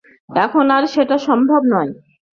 এখন আর সেটা সম্ভব নয়।